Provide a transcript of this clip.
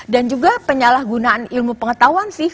dan juga penyalahgunaan ilmu pengetahuan sih